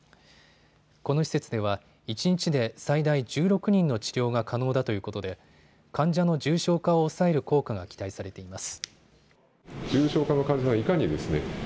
この施設では一日で最大１６人の治療が可能だということで患者の重症化を抑える効果が期待されています。